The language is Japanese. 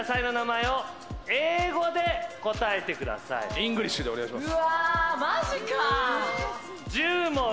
イングリッシュでお願いします。